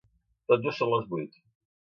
Tot just són les vuit.